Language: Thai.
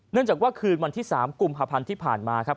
เนื่องจากว่าคืนวันที่๓กุมภาพันธ์ที่ผ่านมาครับ